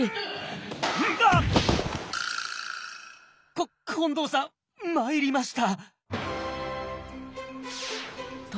こ近藤さん参りました。